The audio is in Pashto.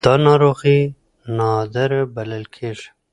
دا ناروغي نادره بلل کېږي.